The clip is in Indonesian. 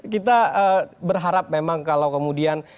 kita berharap memang kalau kemudian